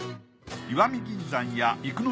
石見銀山や生野